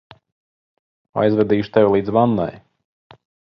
Aizvedīšu tevi līdz vannai.